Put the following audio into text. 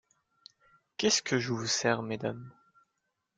Qu'est-ce que je vous sers, mesdames?